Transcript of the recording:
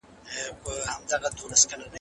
ویښ مي له پېړیو په خوب تللي اولسونه دي